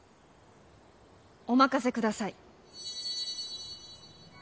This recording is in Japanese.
お任せください。